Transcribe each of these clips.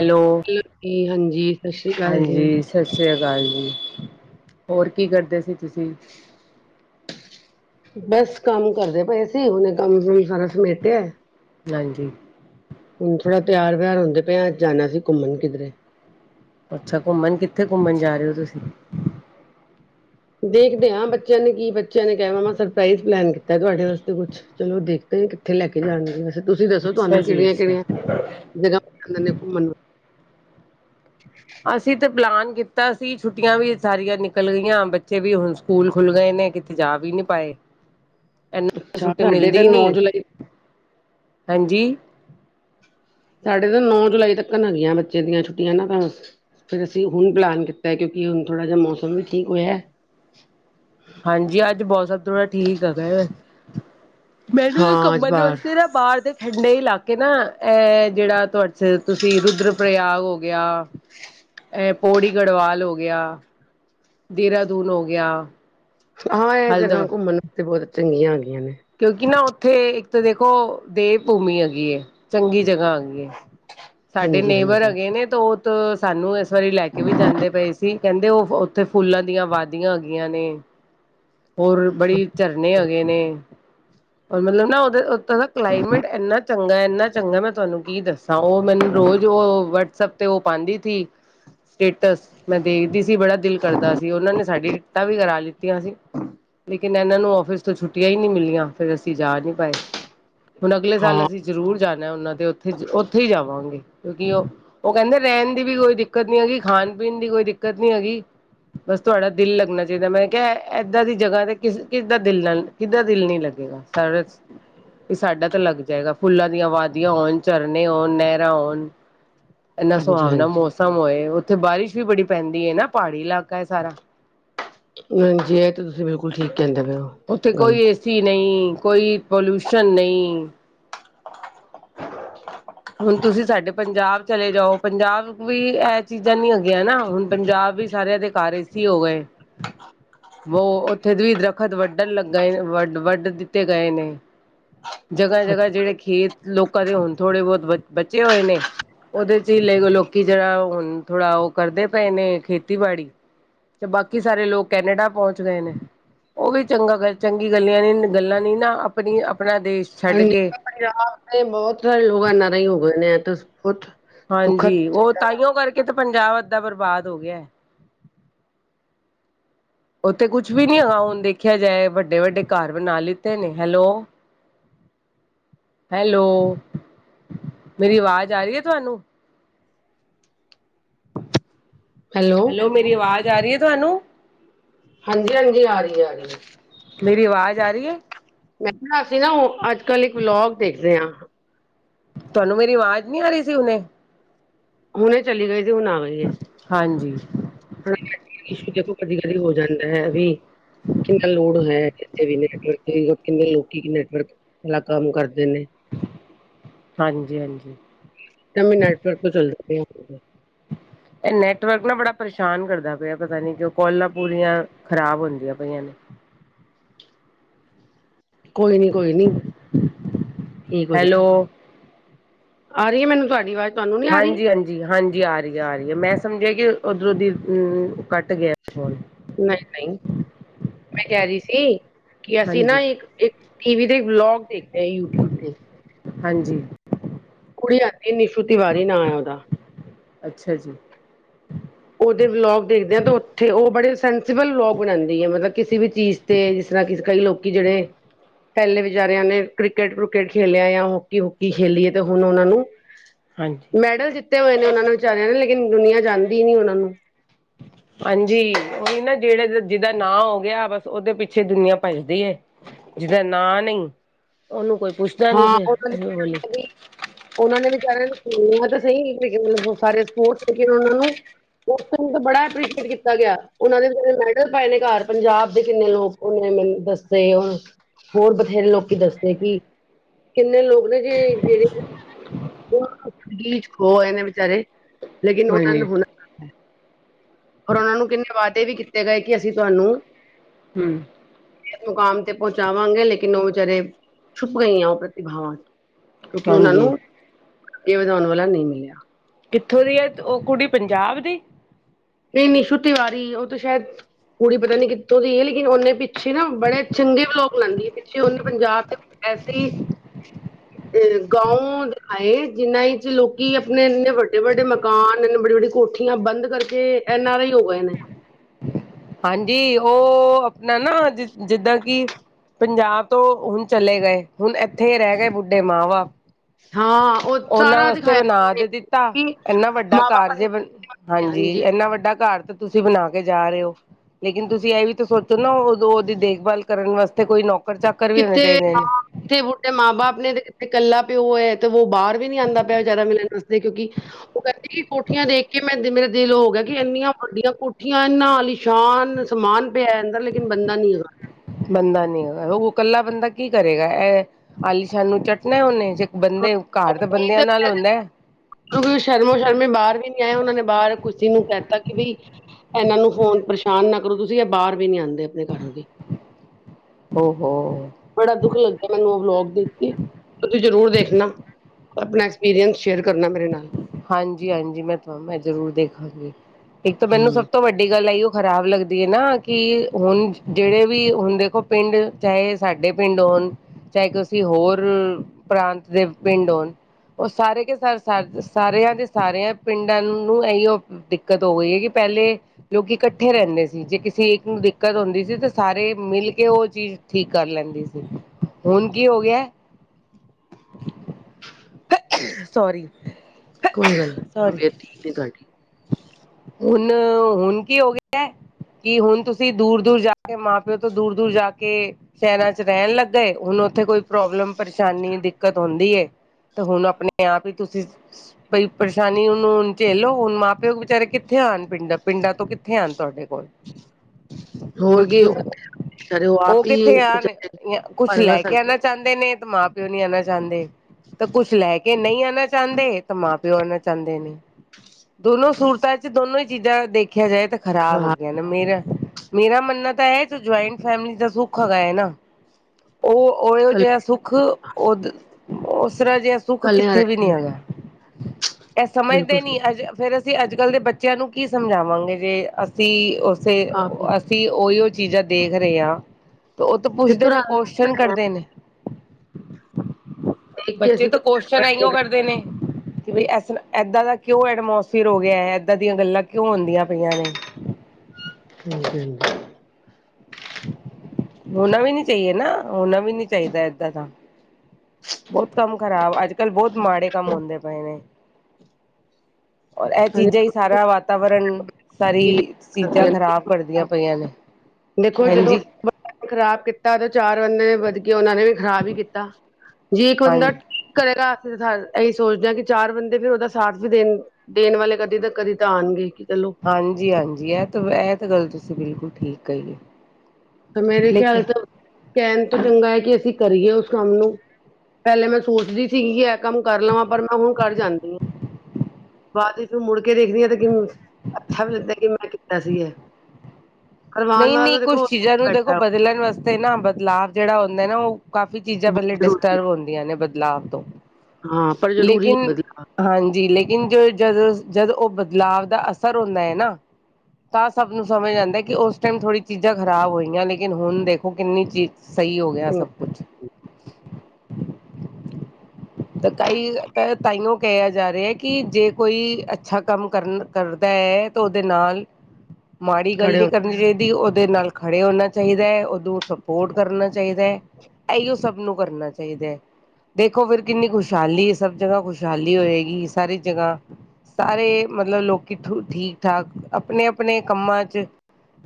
Hello ਜ ਹਾਂਜੀ ਸਤਿ ਸ਼੍ਰੀ ਅਕਾਲ ਜੀ। ਹਾਂਜੀ ਸਤਿ ਸ਼੍ਰੀ ਅਕਾਲ ਜੀ ਹੋਰ ਕੀ ਕਰਦੇ ਸੀ ਤੁਸੀਂ। [inaudible] ਬਸ ਕੰਮ ਕਰਦੇ ਪਏ ਸੀ ਉਹਨੇ ਕੰਮਮ ਸਾਰਾ ਸਮੇਟਿਆ ਹਾਂਜੀ ਹੁਣ ਥੋੜਾ ਤਿਆਰ ਵਿਹਰ ਹੁੰਦੇ ਪਏ ਜਾਣਾ ਸੀ ਘੁੰਮਣ ਕਿਧਰੇ ਅੱਛਾ ਘੁੰਮਣ ਕਿੱਥੇ ਘੁੰਮਣ ਜਾ ਰਹੇ ਹੋ ਤੁਸੀਂ ਦੇਖਦੇ ਹਾਂ ਬੱਚਿਆਂ ਨੇ ਕੀ ਬੱਚਿਆਂ ਨੇ ਕਿਹਾ ਮਾ ਸਰਪ੍ਰਾਈਜ਼ ਪਲੈਨ ਕੀਤਾ ਤੁਹਾਡੇ ਵਾਸਤੇ ਕੁਛ ਚਲੋ ਦੇਖਦੇ ਹ ਕਿੱਥੇ ਲੈ ਕੇ ਜਾਣਗੇ ਵੈਸੇ ਤੁਸੀਂ ਦੱਸੋ ਅੱਛਾ ਤੁਹਾਨੂੰ ਜੀ ਕਿਹੜੀਆਂ ਅੱਛਾ ਕਿਹੜੀਆਂ ਜਗ੍ਹਾ ਅੰ ਨੇੇ ਘੁੰਮਨ ਅਸੀਂ ਤਾਂ ਪਲਾਨ ਕੀਤਾ ਸੀ ਛੁੱਟੀਆਂ ਵੀ ਸਾਰੀਆਂ ਨਿਕਲ ਗਈਆਂ ਬੱਚੇ ਵੀ ਹੁਣ ਸਕੂਲ ਖੁੱਲ ਗਏ ਨੇ ਕਿਤੇ ਜਾ ਵੀ ਨੀ ਪਾਏ ਇਨਾ ਅੱਛਾ ਛੁੱਟੀ ਸਾਡੇ ਤਾਂ ਮਿਲਦੀ ਨੀ ਨੌ ਜੁਲਾਈ ਹਾਂਜੀ ਸਾਡੇ ਤਾਂ ਨੌ ਜੁਲਾਈ ਤੱਕ ਹੈਗੀਆਂ ਬੱਚੇ ਦੀਆਂ ਛੁੱਟੀਆਂ ਨਾ ਤਾਂ ਫਿਰ ਅਸੀਂੁਣ ਪਲਾਨਨ ਕੀਤਾ ਕਿਉਂਕਿੁਣ ਥੋੜਾ ਜਿਹਾ ਮੌਮ ਵੀ ਠੀਕ ਹੋਇਆ ਹਾਂਜੀ ਅੱਜ ਮੌਸਮ ਥੋੜਾ ਠੀਕ ਹੈਗਾ ਮੈਨੂੰ ਹਾਂ ਇਸ ਘੰਮਣ ਬਾਰ ਵਾਸਤੇ ਨਾ ਬਾਹਰ ਦੇ ਠੰਡੇ ਇਲਾਕੇ ਨਾ ਇਹ ਜਿਹੜਾ ਤੁਹਾਡੇ ਤੁਸੀਂ ਰੁਦ ਪ੍ਰਯਾਗ ਹੋ ਗਿਆ। [inaudible] ਹਾਂ ਇਹ ਜਗ੍ਹਾ ਹਲਦਵਾ ਘੁੰਮਣ ਵਾਸਤੇ ਬਹੁਤ ਚੰਗੀਆਂ ਆਗਈਆਂ ਨੇ। ਕਿਉਂਕਿ ਨਾ ਉੱਥੇ ਇੱਕ ਤਾਂ ਦੇਖੋ ਦੇਵ ਭੂਮੀ ਹੈਗੀ ਚੰਗੀ ਜਗ੍ਹਾ ਹੈਗੀ ਹੈ। ਸਾਡੇ ਹਾਂਜੀ ਨੇਬਰ ਹਾਂਜੀ ਹੈਗੇ ਨੇ ਤੇ ਉਹ ਤਾਂ ਸਾਨੂੰ ਇਸ ਵਾਰੀ ਲੈ ਕੇ ਵੀ ਜਾਂਦੇ ਪਏ ਸੀ ਕਹਿੰਦੇ ਉਹ ਉੱਥੇ ਫੁੱਲਾਂ ਦੀਆਂ ਆਬਾਦੀਆਂ ਹੈਗੀਆਂ ਨੇ ਹੋਰ ਬੜੀ ਝਰਨੇ ਹੈਗੇ ਨੇ। ਮਤਲਬ ਨਾ ਉਹਦੇ ਉੱ ਦਾ ਕਲਾਈਮੇਟ ਇੰਨਾ ਚੰਗਾ ਇੰਨਾ ਚੰਗਾ ਮੈਂ ਤੁਹਾਨੂੰ ਕੀ ਦੱਸਾਂ ਉਹ ਮੈਨੂੰ ਰੋਜ਼ ਉਹ ਵਟਸਐਪ ਤੇ ਉਹ ਪਾਉਦੀ ਸੀ ਸਟੇਟਸ ਮੈਂ ਦੇਖਦੀ ਸੀ ਬੜਾ ਦਿਲ ਕਰਦਾ ਸੀ ਉਹਨਾਂ ਨੇ ਸਾਡੀ ਟਿਕਟਾਂ ਵੀ ਕਰਾ ਲਿੱਤੀਆਂ ਸੀ। ਕਿਨਾ ਇਹਨਾਂ ਨੂੰ ਆਫਿਸ ਤੋਂ ਛੁੱਟੀਆਂ ਹੀ ਨਹੀਂ ਮਿਲੀਆਂ ਫੇਰ ਅਸੀਂ ਜਾ ਨਹੀਂ ਪਾਏ ਹੁਣ ਅਗਲੇ ਸਾਲ ਹਾਂ ਅਸੀਂ ਜ਼ਰੂਰ ਜਾਣਾ ਉਹਨਾਂ ਤੇ ਉੱਥੇ -ਉੱਥੇ ਹੀ ਜਾਵਾਂਗੇ ਕਿਉਂਕਿ ਉਹ ਉਹ ਕਹਿੰਦੇ ਰਹਿਣ ਦੀ ਵੀ ਕੋਈ ਦਿੱਕਤ ਨੀ ਹੈਗੀ ਖਾਣ ਪੀਣ ਦੀ ਕੋਈ ਦਿੱਕਤ ਨੀ ਹੈਗੀ। ਬਸ ਤੁਹਾਡਾ ਦਿਲ ਲੱਗਣਾ ਚਾਹੀਦਾ ਮੈਂ ਕਿਹਾ ਏਦਾਂ ਦੀ ਜਗ੍ਹਾ ਤੇ ਕਿਸ ਕਿਸ ਦਾ ਦਿਲ ਨਾਲ ਕਿੱਦਾ ਦਿਲ ਨੀ ਲੱਗਦਾ। [unintelligible] ਇਹ ਸਾਡਾ ਤਾਂ ਲੱਗ ਜਾਏਗਾ ਫੁੱਲਾਂ ਦੀਆਂ ਆਬਾਦੀਆਂ ਹੋਣ ਝਰਨੇ ਹੋਣ ਨਹਿਰਾਂ ਹੋਣ ਇੰਨਾ ਹਾਂਜੀ ਸੁਹਾਵਨਾ ਹਾਂਜੀ ਮੌਸਮ ਹੋਏ ਉੱਥੇ ਬਾਰਿਸ਼ ਵੀ ਬੜੀ ਪੈਂਦੀ ਹੈ ਨਾ ਪਹਾੜੀ ਇਲਾਕਾ ਹੈ ਸਾਰਾ ਹਾਂਜੀ ਇਹ ਤੇ ਤੁਸੀਂ ਬਿਲਕੁਲ ਠੀਕ ਕਹਿੰਦੇ ਪਏ ਹੋ। ਉੱਥੇ ਗੱਲ ਕੋਈ ਏਸੀ ਨਹੀਂ ਕੋਈ ਪੋਲਊਸ਼ਨ ਨਹੀਂ। ਹੁਣ ਤੁਸੀਂ ਸਾਡੇ ਪੰਜਾਬ ਚਲੇ ਜਾਓ ਪੰਜਾਬ ਵੀ ਇਹ ਚੀਜ਼ਾਂ ਨੀ ਹੈਗੀਆਂ ਨਾ ਹੁਣ ਪੰਜਾਬ ਸਾਰਿਆਂ ਦੇ ਘਾਰ ਏਸੀ ਹੋ ਗਏ। ਵੋ ਉੱਥੇ ਦ ਵੀ ਦਰਖਤ ਵੱਢਣ ਲੱਗਾ ਵੱਢ- ਵੱਢ ਦਿੱਤੇ ਗਏ ਨੇ। ਜਗ੍ਹਾ- ਜਗ੍ਹਾ ਜਿਹੜੇ ਖੇਤ ਲੋਕਾਂ ਦੇ ਹੁਣ ਥੋੜੇ ਬਹੁਤ ਬ ਬਚੇ ਹੋਏ ਨੇ। ਉਹਦੇ 'ਚ ਹੀ ਲ ਲੋਕੀ ਜਿਹੜਾ ਹੁਣ ਥੋੜਾ ਉਹ ਕਰਦੇ ਪਏ ਨੇ ਖੇਤੀਬਾੜੀ ਤੇ ਬਾਕੀ ਸਾਰੇ ਲੋਕ ਕੈਨੇਡਾ ਪਹੁੰਚ ਗਏ ਨੇ। ਉਹ ਵੀ ਚੰਗਾ ਗੱਲ ਚੰਗੀ ਗੱਲੀਆਂ ਗੱਲਾਂ ਨ ਨਾ ਆਪਣੀ ਆਪਣਾ ਦੇਸ਼ ਛੱਡ ਹਾਂਜੀ ਕੇ ਪੰਜਾਬ ਦੇ ਬਹੁਤ ਸਾਰੇ ਲੋਕ ਐਨ ਆਈ ਆਰ ਹੋ ਗਏ ਨੇ ਬਹੁਤ ਹਾਂਜੀ ਦੁਖਦ ਉਹ ਤਾਈਓ ਕਰਕੇ ਤਾਂ ਪੰਜਾਬ ਅੱਧਾ ਬਰਬਾਦ ਹੋ ਗਿਆ। ਉੱਥੇ ਕੁਛ ਵੀ ਨੀ ਹੈਗਾ ਹੁਣ ਦੇਖਿਆ ਜਾਏ ਵੱਡੇ ਵੱਡੇ ਘਰ ਬਣਾ ਲਿੱਤੇ ਨੇ ਹੈਲੋ। ਹੈਲੋ ਮੇਰੀ ਆਵਾਜ਼ ਆ ਰਹੀ ਹੈ ਤੁਹਾਨੂੰ ਹੈਲੋ ਮੇਰੀ ਆਵਾਜ਼ ਆ ਰਹੀ ਹੈ ਤੁਹਾਨੂੰ ਹਾਂਜੀ -ਹਾਂਜੀ ਆ ਰਹੀ- ਆ ਰਹੀ। ਮੇਰੀ ਆਵਾਜ਼ ਆ ਰਹੀ ਹੈ। ਮੈਂ ਕਿਹਾ ਅਸੀਂ ਨਾ ਉਹ ਅੱਜ ਕੱਲ੍ਹ ਇੱਕ ਵਲੋਗ ਦੇਖ ਰਹੇ ਹਾਂ। ਤੁਹਾਨੂੰ ਮੇਰੀ ਆਵਾਜ਼ ਨਹੀਂ ਆ ਰਹੀ ਸੀ ਹੁਨੇ ਹੁਣੇ ਚਲੀ ਗਈ ਸੀ ਹੁਣ ਆ ਗਈ ਏ। ਹਾਂਜੀ। ਹਾਂਜੀ ਇਸ਼ੂ ਦੇਖੋ ਕਦੀ -ਕਦੀ ਹੋ ਜਾਂਦਾ ਹੈ। ਅਭੀ ਕਿੰਨਾ ਲੋੜ ਹੈ। ਇੱਥੇ ਵੇਹਲੇ ਬੈ ਕੇ ਲੋਕੀ ਉਹ ਕਿੰਨੇ ਲੋਕੀ ਨੈਟਵਰਕ ਵਾਲਾ ਕੰਮ ਕਰਦੇ ਨੇ। ਹਾਂਜੀ- ਹਾਂਜੀ। ਤਾਂ ਵੀ ਨੈਟਵਰਕ ਤੋਂ ਚੱਲ ਪਿਆ। ਇਹ ਨੈਟਵਰਕ ਨਾ ਬੜਾ ਪਰੇਸ਼ਾਨ ਕਰਦਾ ਪਿਆ ਪਤਾ ਨੀ ਕਿਉਂ ਕੋਲਾਂ ਪੂਰੀਆਂ ਖ਼ਰਾਬ ਹੁੰਦੀਆਂ ਪਈਆਂ ਨੇ। ਕੋਈ ਨੀ ਕੋਈ ਨੀ ਠੀਕ ਹੋ ਜਾਏ। ਹੈਲੋ ਆ ਰਹੀ ਹੈ ਮੈਨੂੰ ਤੁਹਾਡੀ ਆਵਾਜ਼। ਤੁਹਾਨੂੰ ਨੀ ਆ ਰਹੀ ਹਾਂਜੀ ਹਾਂਜੀ। ਹਾਂਜੀ ਆ ਰਹੀ ਆ ਰਹੀ ਹੈ ਮੈਂ ਸਮਝਿਆ ਕਿ ਉਧਰੋਂ ਦੀ ਕੱਟ ਗਿਆ ਫੋਨ। ਨਹੀਂ -ਨਹੀਂ ਮੈਂ ਕਹਿ ਰਹੀ ਸੀ ਕਿ ਅਸੀਂ ਨਾ ਹਾਂਜੀ ਇੱਕ ਇੱਕ ਟੀ ਵੀ ਤੇ ਇੱਕ ਬਲੋਗ ਦੇਖਦੇ ਹੈ ਯੂਟਿਊਬ ਤੇ ਹਾਂਜੀ ਕੁੜੀ ਆਂਦੀ ਨਿਸ਼ੂ ਤਿਵਾਰੀ ਨਾ ਆ ਉਹਦਾ ਅੱਛਾ ਜੀ ਉਹਦੇ ਵਲੋਗ ਦੇਖਦੇ ਆ ਤੇ ਉੱਥੇ ਉਹ ਬੜੇ ਸੈਂ ਅੱਜ ਕੱਲ ਵਲੋਗ ਬਣਾਉਦੀ ਏ ਮਤਲਬ ਕਿਸੇ ਵੀ ਚੀਜ਼ ਤੇ ਜਿਸ ਤਰ੍ਹਾਂ ਕਈ ਲੋਕੀ ਜਿਹੜੇ ਪਹਿਲੇ ਵਿਚਾਰਿਆਂ ਨੇ ਕ੍ਰਿਕਟ ਕਕੇਟ ਖੇਲਿਆ ਜਾਂ ਹੋਕੀ ਹਾਕੀ ਖੇਲੀਏ ਤੇ ਹੁਣ ਉਹਨਾਂ ਨੂੰ ਹਾਂਜੀ ਮੈਡਲ ਜਿੱਤੇ ਹੋਏ ਨੇ ਉਹਨਾਂ ਨੇ ਵਿਚਾਰਿਆਂ ਨੇ ਲੇਕਿਨ ਦੁਨੀਆਂ ਜਾਣਦੀ ਨੀ ਉਹਨਾਂ ਨੂੰ। ਹਾਂਜੀ ਉਹੀ ਨਾ ਜਿਹੜੇ ਜਿਹਦਾ ਨਾਂ ਹੋ ਗਿਆ ਬਸ ਉਹਦੇ ਪਿੱਛੇ ਦੁਨੀਆਂ ਭੱਜਦੀ ਹੈ। ਜਿਹਦਾ ਨਾਂ ਨਹੀਂ ਉਹਨੂੰ ਕੋਈ ਪੁੱਛਦਾ ਨੀ ਹਾਂ ਫਿਰ ਉਹਨਾਂ ਉਹ ਬੋਲੀ। ਨੇ ਵੀ ਉਹਨਾਂ ਨੇ ਵਿਚਾਰਿਆਂ ਨੂੰ ਮਦਦ ਤੇ ਸਹੀ ਮਤਲਬ ਸਾਰੇ ਸਪੋਰਟਸ ਦੇਣ ਉਹਨਾਂ ਨੂੰ। ਉੱਪਨ ਤਾਂ ਬੜਾ ਐਪਰੀਸ਼ੀਏਟ ਕੀਤਾ ਗਿਆ ਹੈ। ਉਹਨਾਂ ਦੇ ਜਿਹੜੇ ਮੈਡਲ ਪਾਏ ਨੇ ਘਰ ਪੰਜਾਬ ਦੇ ਕਿੰਨੇ ਲੋਕ। ਉਹਨੇ ਮੈਨੂੰ ਦੱਸੇ ਉਹ ਹੋਰ ਬਥੇਰੇ ਲੋਕੀ ਦੱਸੇ ਕਿ। ਕਿੰਨੇ ਲੋਕ ਨੇ ਜੇ ਜਿਹੜੇ ਉਹ ਮੀਂਹ 'ਚ ਖੋ ਹੋਏ ਨੇ ਬਾਰੇ। ਲੇਕਿਨ ਉਹਨਾਂ ਹਾਂਜੀ ਨੂੰ ਹੁਣ ਹਾ ਔਰ ਉਹਨਾਂ ਨੂੰ ਕਿੰਨੇ ਵਾਅਦੇ ਵੀ ਕੀਤੇ ਗਏ ਕਿ ਅਸੀਂ ਤੁਹਾਨੂੰ। ਹੂੰ। ਇਸ ਮੁਕਾਮ ਤੇ ਪਹੁੰਚਾਵਾਂਗੇ ਲੇਕਿਨ ਉਹ ਵਿਚਾਰੇ ਛੁਪ ਗਈਆਂ ਉਹ ਪ੍ਰਤੀਿਭਾਵਾਂ। ਕਿਉਂਕਿ ਉਹਨਾਂ ਹਾਂਜੀ ਨੂੰ ਇਹ ਵਧਾਉਣ ਵਾਲਾ ਨਹੀਂ ਮਿਲਿਆ। ਕਿੱਥੋਂ ਦੀ ਹੈ ਉਹ ਕੁੜੀ ਪੰਜਾਬ ਦੀ। ਨਹੀਂ ਨਹੀਂ ਛੁੱਟੀ ਵਾਰੀ ਉਹ ਤਾਂ ਸ਼ਾਇਦ। ਕੁੜੀ ਪਤਾ ਨੀ ਕਿੱਥੋਂ ਦੀ ਹੈ। ਲੇਕਿਨ ਉਹਨੇ ਪਿੱਛੇ ਨਾ ਬੜੇ ਚੰਗੇ ਬਲੋਕ ਬਣਾਉਂਦੀ ਹੈ ਪਿੱਛੇ ਉਹਨੇ ਪੰਜਾਬ ਤੇ। ਅਸੀ। ਅ ਗਾਉ ਦਿਖਾਏ ਜਿੰਨਾ ਵਿੱਚ ਲੋਕੀ ਆਪਣੇ ਇੰਨੇ ਵੱਡੇ ਵੱਡੇ ਮਕਾਨ ਇੰਨੇ ਵੱਡੇ ਵੱਡੇ ਕੋਠੀ। ਕੋਠੀਆਂ ਬੰਦ ਕਰਕੇ ਐਨ ਆਰ ਆਈ ਹੋ ਗਏ ਨੇ। ਹਾਂਜੀ ਉਹ ਆਪਣਾ ਨਾ ਜਿੱਦਾਂ ਜਿੱਦਾਂ ਕਿ। ਪੰਜਾਬ ਤੋਂ ਹੁਣ ਚਲੇ ਗਏ ਹੁਣ ਇੱਥੇ ਰਹਿ ਗਏ ਬੁੱਢੇ ਮਾਂ ਬਾਪ। ਹਾਂ ਉਹ ਉਹਨਾਂ ਸਾਰਾ ਵਾਸਤੇ ਦਿਖਾਇਆ ਬਣਾ ਉਹਨੇ ਤੇ ਦਿੱਤਾ ਕਿ ਇਨ੍ਹਾਂ ਵੱਡਾ ਮਾਂ ਘਰ। ਬਾਪ ਹਾਂਜੀ ਇੰਨਾ ਵੱਡਾ ਘਰ ਤਾਂ ਤੁਸੀਂ ਬਣਾ ਕੇ ਜਾ ਰਹੇ ਹੋ। ਲੇਕਿਨ ਤੁਸੀਂ ਇਹ ਵੀ ਤਾਂ ਸੋਚੋ ਨਾ ਉਦੋਂ ਉਹਦੀ ਦੇਖਭਾਲ ਕਰਨ ਵਾਸਤੇ ਕੋਈ। ਚਾਕਰ ਵੀ ਹੋਣੇ ਕਿੱਤੇ ਚਾਹੀਦੇ ਨੇ ਹਾਂ। ਇੱਥੇ ਬੁੱਢੇ ਮਾਂ ਬਾਪ ਨੇ ਤੇ ਜਿੱਥੇ ਇਕੱਲਾ ਪਿਓ ਹੈ ਤੇ ਉਹ ਬਾਹਰ ਵੀ ਨੀ ਆਉਂਦਾ ਪਿਆ ਵਿਚਾਰਾ ਮਿਲਣ ਵਾਸਤੇ ਕਿਉਂਕਿ। ਉਹ ਕਹਿੰਦੇ ਕਿ ਕੋਠੀਆਂ ਦੇਖ ਕੇ ਮੈਂ ਮੇਰੇ ਦਿਲ ਹੋ ਗਿਆ ਕਿ ਇੰਨੀਆਂ ਵੱਡੀਆਂ ਕੋਠੀਆਂ ਇੰਨਾਲੀਿਸ਼ਾਨ। ਸਮਾਨ ਪਿਆ ਅੰਦਰ ਲੇਕਿਨ ਬੰਦਾ ਨਹੀਂ ਹੈਗਾ। ਬੰਦਾ ਨੀ ਹੈਗਾ ਉਹ ਇਕੱਲਾ ਬੰਦਾ ਕੀ ਕਰੇਗਾ ਇਹ ਆਲੀਿਸ਼ਾਨ ਨੂੰ। ਮੈਂ ਉਹਨੇ 'ਚ ਬੰਦੇ ਘਰ ਤਾਂ ਬੰਦਿਆਂ ਨਾਲ ਹੁੰਦਾ ਹੈ। ਕਿਉਂਕਿ ਸ਼ਰਮੋ ਸ਼ਰਮੇ ਬਾਹਰ ਵੀ ਨੀ ਆਏ, ਉਹਨਾਂ ਨੇ ਬਾਹਰ ਕੁਸੀ ਨੂੰ ਕਹਿਤਾ ਕਿ ਬਈ ਇਹਨਾਂ ਨੂੰ ਫੋਨ ਪਰੇਸ਼ਾਨ ਨਾ ਕਰੋ, ਤੁਸੀਂ ਇਹ ਬਾਹਰ ਵੀ ਨੀ ਆਦੇ ਆਪਣੇ ਘਰ ਦੀ ਹੋ ਹੋ, ਬੜਾ ਦੁੱਖ ਲੱਗਿਆ, ਮੈਨੂੰ ਉਹ ਵਲੋਗ ਦੇਖਤੀ ਤੁਸੀਂ ਜ਼ਰੂਰ ਦੇਖਣਾ। ਆਪਣਾ ਐਕਸਪੀਰੀਅੰਸ ਸ਼ੇਅਰ ਕਰਨਾ ਮੇਰੇ ਨਾਲ, ਹਾਂਜੀ-ਹਾਂਜੀ, ਮੈਂ ਤਾ ਜ਼ਰੂਰ ਦੇਖਾਂਗੀ, ਇੱਕ ਤਾਂ ਮੈਨੂੰ ਹੂੰ। ਸਭ ਤੋਂ ਵੱਡੀ ਗੱਲ ਆਈਓ। ਖ਼ਰਾਬ ਲੱਗਦੀ ਹੈ, ਨਾ ਕਿ ਹੁਣ ਜਿਹੜੇ ਵੀ ਹੁਣ ਦੇਖੋ ਪਿੰਡ ਚਾਹੇ ਸਾਡੇ ਪਿੰਡ ਹੋਣ ਚਾਹੇ ਤੁਸੀਂ ਹੋਰ ਪ੍ਰਾਂਤ ਦੇ ਪਿੰਡ ਹੋਣ, ਉਹ ਸਾਰੇ ਕਿ ਸਰ ਸਾਰਿਆਂ ਦੇ ਸਾਰਿਆਂ ਪਿੰਡਾਂ ਨੂੰ ਇਹੀਓ ਦਿੱਕਤ ਹੋ ਗਈ ਹੈ, ਕਿ ਪਹਿਲੇ ਜੋ ਕਿ ਇਕੱਠੇ ਰਹਿੰਦੇ ਸੀ ਜੇ ਕਿਸੇ ਇੱਕ ਨੂੰ ਦਿੱਕਤ ਹੁੰਦੀ ਸੀ ਤੇ ਸਾਰੇ ਮਿਲ ਕੇ ਉਹ ਚੀਜ਼। ਠੀਕ ਕਰ ਲੈਂਦੀ ਸੀ, ਹੁਣ ਕੀ ਹੋ ਗਿਆ। ਸੋਰੀ। ਕੋਈ ਗੱਲ ਨੀ ਸੋਰੀ ਤਬੀਅਤ ਨੀ ਤੁਹਾਡੀ ਹੁਣ ਹੁਣ ਕੀ ਹੋ ਗਿਆ। ਕਿ ਹੁਣ ਤੁਸੀਂ ਦੂਰ-ਦੂਰ ਜਾ ਕੇ ਮਾਂ ਪਿਓ ਤੋਂ ਦੂਰ-ਦੂਰ ਜਾ ਕੇ, ਸ਼ਹਿਰਾਂ 'ਚ ਰਹਿਣ ਲੱਗਏ ਹੁਣ ਉੱਥੇ ਕੋਈ ਪ੍ਰੋਬਲਮ ਪਰੇਸ਼ਾਨੀ ਦਿੱਕਤ ਹੁੰਦੀ ਹੈ। ਤੇ ਹੁਣ ਆਪਣੇ ਆਪ ਹੀ ਤੁਸੀਂ। ਬਈ ਪਰੇਸ਼ਾਨੀ ਉਹਨੂੰ ਝੇਲੋ ਹੁਣ ਮਾਂ ਪਿਓ ਵਿਚਾਰੇ ਕਿੱਥੇ ਆਉਣ ਪਿੰਡਾਂ ਪਿੰਡਾਂ ਤੋਂ ਕਿੱਥੇ ਆਉਣ ਤੁਹਾਡੇ ਕੋਲ। ਹੂੰ। ਹੋਰ ਕੀ ਕਿਉਂਕਿ ਉਹ ਕਿੱਥੇ ਵਿਚਾਰੇ ਉਹ ਆਪ ਹੀ ਕਿੱਥੇ ਆ ਵਿਚਾਰੇ ਕੁੱਛ ਲੈ ਭਰਵਸ ਕੇ ਹੈਗੇ ਨੇ ਆਉਣਾ ਚਾਹੁੰਦੇ ਨੇ। ਕੁਛ ਮਾਂ ਪਿਓ ਨੀ ਆਉਣਾ ਚਾਹੁੰਦੇ ਤਾਂ ਕੁਛ ਲੈ ਕੇ ਨਹੀਂ ਆਉਣਾ ਚਾਹੁੰਦੇ। ਤਾਂ ਮਾਂ ਪਿਓ ਆਉਨਾ ਚਾਹੁੰਦੇ ਨੇ ਦੋਨੋ ਸੂਰਤਾਂ 'ਚ ਦੋਨੋ ਹੀ ਚੀਜ਼ਾਂ ਦੇਖ। ਦੇਖਿਆ ਜਾਏ ਤਾਂ ਖ਼ਰਾਬ ਹੋ ਖਰਾਬ ਗਿਆ ਨਾ ਮੇਰਾ। ਮੇਰਾ ਮੰਨਣਾ ਤਾਂ ਹੈ, ਜੌ ਜੁਆਇੰਟ ਫੈਮਿਲੀ ਦਾ ਸੁੱਖ ਹੈਗਾ ਹੈ ਨਾ। ਉਹ ਕੱਲ ਜਿਹਾ ਸੁੱਖ, ਉਸ ਤਰਾਂ ਜਿਹਾ ਸੁੱਖ ਕੱਲਿਆਂ ਕਿੱਥੇ ਵੀ ਰਹਿ ਨੀ ਗਏ ਹੈਗਾ। ਇਹ ਬਿਲਕੁਲ ਸਮਝਦੇ ਸਹੀ ਨੀ, ਅੱਜ ਫੇਰ ਅਸੀਂ ਅੱਜ ਕੱਲ ਦੇ ਬੱਚਿਆਂ ਨੂੰ ਕੀ ਸਮਝਾਵਾਂਗੇ ਜੇ। ਅਸੀਂ ਔ ਆਪ ਹੀ ਅਸੀਂ ਉਹੀਓ ਚੀਜ਼ਾਂ ਦੇਖ ਰਹੇ ਹਾਂ। ਉਹ ਤੋਂ ਫਿਰ ਪੁੱਛਦੇ ਨੇ ਤੁਰਾਨ ਕੁਸ਼ਚਨ ਕਰਦੇ ਦੇਖ ਨੇ। ਕੇ ਬੱਚੇ ਅਸੀਂ ਤਾਂ ਕੁਛ ਕੁਸ਼ਚਨ ਡਿਫਰੈਂਟ ਨਹੀਂ ਇਓ ਕਰ ਕਰਦੇ ਨੇ। ਕਿ ਬਈ ਏਦਾਂ ਦਾ ਕਿਉਂ ਐਟਮੋਸਫੀਅਰ ਹੋ ਗਿਆ, ਏਦਾਂ ਦੀਆਂ ਗੱਲਾਂ ਕਿਉਂ ਆਦੀਆਂ ਪਈਆਂ ਨੇ। ਹਾਜੀ। ਹੋਣਾ ਵੀ ਨੀ ਚਾਹੀਏ ਨਾ ਹੋਣਾ ਵੀ ਨੀ ਚਾਹੀਦਾ ਏਦਾਂ ਦਾ। ਬਹੁਤ ਕੰਮ ਖਰਾਬ ਅੱਜ ਕੱਲ੍ਹ ਬਹੁਤ ਮਾੜੇ ਕੰਮ ਹੁੰਦੇ ਪਏ ਨੇ। ਰ ਇਹ ਹਾਂਜੀ ਚੀਜ਼ਾਂ ਹੀ ਸਾਰਾ ਵਾਤਾਵਰਨ ਸਾਰੀ ਚੀਜ਼ਾਂ ਹਾਂਜੀ। ਖ਼ਰਾਬ ਕਰਦੀਆਂ ਪਈਆਂ ਨੇ। ਦੇਖੋ ਜਦੋਂ ਹਾਂਜੀ ਇੱਕ ਬੰਦੇ ਨੇ ਖ਼ਰਾਬ ਕੀਤਾ। ਤੇ ਚਾਰ ਬੰਦੇ ਵਧ ਕੇ ਉਹਨਾਂ ਨੇ ਵੀ ਖ਼ਰਾਬ ਹੀ ਕੀਤਾ। ਜੀ ਇੱਕ ਬੰਦਾ ਹਾਂਜੀ ਠੀਕ ਕਰੇਗਾ ਅਸੀਂ ਇਹੀ ਸੋਚਦੇ ਹਾਂ ਕਿ ਚਾਰ ਬੰਦੇ ਫਿਰ ਉਹਦਾ ਸਾਥ ਵੀ ਦੇਣ। ਦੇਣ ਵਾਲੇ ਕਦੇ ਤਾਂ ਕਦੀ ਤਾਂ ਆਣਗੇ ਕੀ ਚਲੋ। ਹਾਂਜੀ ਹਾਂਜੀ ਇਹ ਤਾਂ ਇਹ ਤਾਂ ਗੱਲ ਤੁਸੀਂ ਬਿਲਕੁਲ ਠੀਕ ਕਹੀਏ। ਮੇਰੇ ਖਿਆਲ ਲੇਕਿਨ ਚ ਕਹਿਣ ਤੋਂ ਚੰਗਾ ਹੈ ਕਿ ਅਸੀਂ ਕਰੀਏ ਉਸ ਕੰਮ ਨੂੰ ਪਹਿਲੇ ਮੈਂ ਸੋਚਦੀ ਸੀਗੀ ਕਿ ਇਹ ਕੰਮ ਕਰ ਲਵਾਂ ਪਰ ਮੈਂ ਹੁਣ ਕਰ ਜਾਂਦੀ ਹਾਂ। ਬਾਅਦ ਵਿੱਚ ਹੁਣ ਮੁੜ ਕੇ ਦੇਖਦੀ ਹਾਂ ਤੇ ਕਿ ਅੱਛਾ ਵੀ ਲੱਗਦਾ ਕਿ ਮੈਂ ਕੀਤਾ ਸੀ ਇਹ। ਕਰਵਾਉਣ ਨਹੀਂ ਵਾਲਾ ਨਹੀਂ ਤਾਂ ਕੁਛ ਦੇਖੋ ਚੀਜ਼ਾਂ। ਹੁਣ ਦੇਖੋ ਬੈਠਾ ਬਦਲਣ ਵਾਸਤੇ ਨਾ ਬਦਲਾਵ ਜਿਹੜਾ ਹੁੰਦਾ ਨਾ ਉਹ। ਕਾਫ਼ੀ ਚੀਜ਼ਾਂ ਪਹਿਲੇ ਬਹੁਤ ਜ਼ਰੂਰੀ ਡਿਸਟਰਬ ਹੁੰਦੀਆਂ ਨੇ ਬਦਲਾਵ ਤੋਂ। ਹਾਂ ਪਰ ਜ਼ਰੂਰੀ ਲੇਕਿਨ ਬਦਲਾਵ। ਹਾਂਜੀ ਲੇਕਿਨ ਜੋ ਜਦ ਜਦ ਉਹ ਬਦਲਾਵ ਦਾ ਅਸਰ ਹੁੰਦਾ ਹੈ ਨਾ। ਤਾਂ ਸਭ ਨੂੰ ਸਮਝ ਆਂਦਾ ਕਿ ਉਸ ਟਾਈਮ ਥੋੜੀ ਚੀਜ਼ਾਂ ਖ਼ਰਾਬ ਹੋਈਆਂ ਲੇਕਿਨ ਹੁਣ ਦੇਖੋ ਕਿੰਨੀ ਚੀਜ਼। ਸਹੀ ਹੋ ਗਿਆ ਸਭ ਕੁਛ। ਤੇ ਕਈ ਤਾਂ ਤਾਈਓਂ ਕਿਹਾ ਜਾ ਰਿਹਾ ਕਿ ਜੇ ਕੋਈ ਅੱਛਾ ਕੰਮ ਕਰਨ। ਕਰਦਾ ਹੈ ਤੇ ਉਹਦੇ ਨਾਲ ਮਾੜੀ ਗੱਲ ਖੜੇ ਨੀ ਕਰਨੀ ਚਾਹੀਦੀ। ਉਹਦੇ ਨਾਲ ਖੜੇ ਹੋਣਾ ਚਾਹੀਦਾ ਹੈ, ਓਹਨੂੰ ਸਪੋਰਟ ਕਰਨਾ ਚਾਹੀਦਾ ਹੈ। ਇਹੀਓ ਸਭ ਨੂੰ ਕਰਨਾ ਚਾਹੀਦਾ ਹੈ, ਦੇਖੋ ਫਿਰ ਕਿੰਨੀ ਖੁਸ਼ਹਾਲੀ। ਸਭ ਜਗ੍ਹਾ ਖੁਸ਼ਹਾਲੀ ਹੋਏਗੀ ਸਾਰੀ ਜਗ੍ਹਾ। ਸਾਰੇ ਮਤਲਬ ਲੋਕੀ ਠੀਕ ਠਾਕ ਆਪਣੇ ਆਪਣੇ ਕੰਮਾਂ ਚ।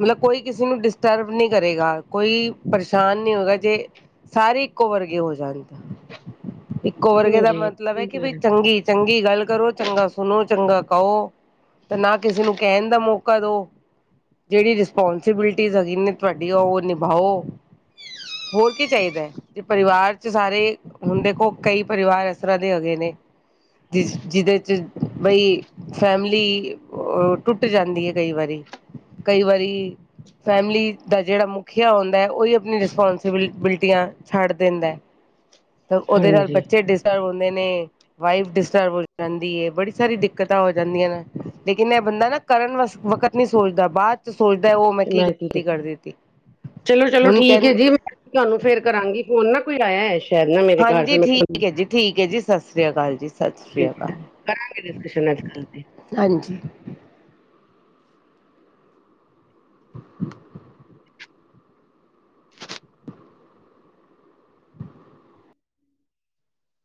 ਮਤਲਬ ਕੋਈ ਕਿਸੇ ਨੂੰ ਡਿਸਟਰਬ ਨਹੀਂ ਕਰੇਗਾ ਕੋਈ ਪਰੇਸ਼ਾਨ ਨਹੀਂ ਹੋਵੇਗਾ ਜੇ। ਸਾਰੇ ਇੱਕੋ ਵਰਗੇ ਹੋ ਜਾਂਣ ਤਾਂ ਇੱਕੋ ਵਰਗੇ ਹੋ ਦਾ ਜੀ ਮਤਲਬ ਹੈ ਕਿ ਬਈ ਚੰਗੀ। ਚੰਗੀ ਗੱਲ ਕਰੋ ਚੰਗਾ ਸੁਣੋ ਚੰਗਾ ਕਹੋ ਤੇ ਨਾ ਕਿਸੇ ਨੂੰ ਕਹਿਣ ਦਾ ਮੌਕਾ ਦਓ। ਜਿਹੜੀ ਰਿਸਪੋਂਸੀਬਿਲਿਟੀਜ਼ ਹੈਗੀ ਨੇ ਤੁਹਾਡੀ ਉਹ ਨਿਭਾਓ। ਹੋਰ ਕੀ ਚਾਹੀਦਾ ਹੈ ਜੇ ਪਰਿਵਾਰ ਚ ਸਾਰੇ ਹੁਣ ਦੇਖੋ ਕਈ। ਪਰਿਵਾਰ ਇਸ ਤਰ੍ਹਾਂ ਦੇ ਹੈਗੇ ਨੇ ਜਿਸ ਜਿਹਦੇ ਚ ਬਈ। ਫੈਮਿਲੀ ਅ ਟੁੱਟ ਜਾਂਦੀ ਹੈ ਕਈ ਵਾਰੀ। ਕਈ ਵਾਰੀ। ਫੈਮਲੀ ਦਾ ਜਿਹੜਾ ਮੁਖੀਆ ਹੁੰਦਾ ਹੈ ਉਹੀ ਆਪਣੀ ਰਿਸਪੋਂਸੀਬਿਲਟੀਆਂ ਛੱਡ ਦਿੰਦਾ। ਤਾਂ ਉਹਦੇ ਨਾਲ ਹਾਂਜੀ ਬੱਚੇ ਡਿਸਟਰਬ ਹੁੰਦੇ ਨੇ। ਵਾਈਬ ਡਿਸਟਰਬ ਹੋ ਜਾਂਦੀ ਹੈ ਬੜੀ ਸਾਰੀ ਦਿੱਕਤਾਂ ਹੋ ਜਾਂਦੀਆਂ ਨੇ ਲੇਕਿਨ ਇਹ ਬੰਦਾ ਨਾ। ਕਰਨ ਵਸ ਵਕਤ ਨਹੀਂ ਸੋਚਦਾ ਬਾਅਦ ਸੋਚਦਾ ਉਹ ਮੈਂ ਕੀ ਗਲਤੀ ਕਰ ਦਿੱਤੀ ਚਲੋ ਚਲੋ ਹੁਣ ਠੀਕ ਕਹ। ਹੈ ਜੀ ਮੈਂ ਤੁਹਾਨੂੰ ਫੇਰ ਕਰਾਂਗੀ ਫੋਨ ਨਾ ਕੋਈ ਆਇਆ ਐ। ਹਾਂਜੀ ਠੀਕ ਹੈ ਜੀ ਠੀਕ ਹੈ ਜੀ ਸਤਿ ਸ੍ਰੀ ਅਕਾਲ ਜੀ ਸਤਿ ਸ਼੍ਰੀ ਅਕਾਲ। ਕਰਾਂਗੇ ਡਿਸਕਸ਼ਨ ਇਸ ਗੱਲ ਤੇ। ਹਾਂਜੀ [unintelligible]